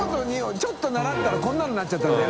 ちょっと習ったら海鵑覆里なっちゃったんだよ。